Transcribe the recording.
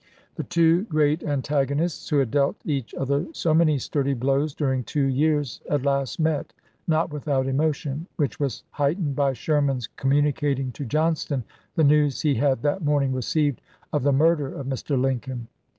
The two great antagonists, who had dealt each other so many sturdy blows during two years, at last met, not without emotion, which was height ened by Sherman's communicating to Johnston the news he had that morning received of the murder of Mr. Lincoln.